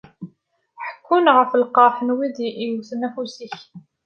Ḥekkun ɣef lqerḥ n wid i d-iwt ufus-ik.